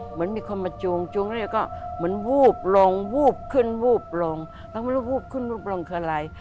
เหมือนมีคนมาจูงจูงเนี่ยก็เหมือนวูบลงวูบขึ้นวูบลงแล้วไม่รู้วูบขึ้นวูบลงคืออะไร